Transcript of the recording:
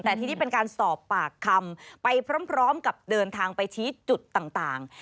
แต่ทีนี้เป็นการสอบปากคำไปพร้อมกับเดินทางไปชี้จุดต่าง